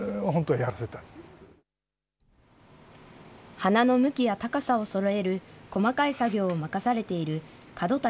花の向きや高さをそろえる細かい作業を任されている廉谷